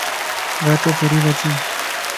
گاٽو فري نه ٿي